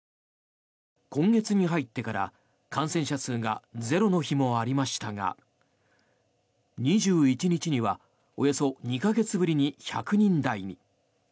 今月に入ってから、感染者数がゼロの日もありましたが２１日にはおよそ２か月ぶりに１００人台に。